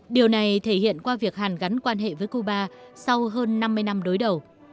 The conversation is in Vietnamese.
điều này thể hiện qua việc hàn gắn quan hệ với cuba sau hơn năm mươi năm đối đầu